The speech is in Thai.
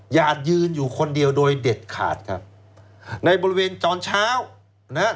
อย่ายืนอยู่คนเดียวโดยเด็ดขาดครับในบริเวณตอนเช้านะฮะ